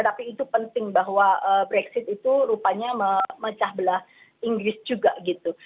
tapi itu penting bahwa brexit itu rupanya memecah belah inggris juga gitu